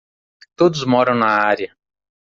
Todos moram na área.